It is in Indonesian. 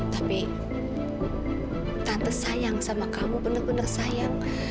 tapi tante sayang sama kamu benar benar sayang